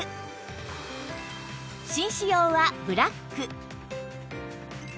紳士用はブラック